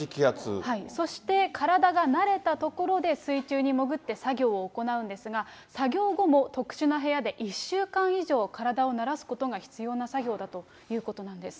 そして、体が慣れたところで、水中に潜って、作業を行うんですが、作業後も特殊な部屋で１週間以上体を慣らすことが必要な作業だということなんです。